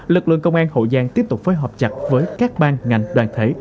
lực lượng công an hậu giang tiếp tục phối hợp chặt với các ban ngành đoàn thể